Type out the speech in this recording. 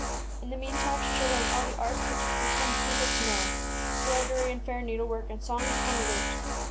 In the mean time she shall learn all the arts which become a princess to know ŌĆö broi dery and fair needlework, and songs upon a lute.